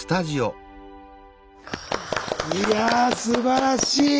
いやすばらしい！